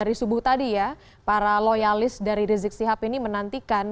dari subuh tadi ya para loyalis dari rizik sihab ini menantikan